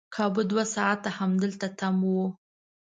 کابو دوه ساعته همدلته تم وو.